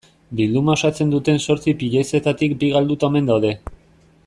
Bilduma osatzen duten zortzi piezetatik bi galduta omen daude.